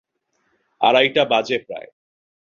আড়াইটা বাজে প্রায়।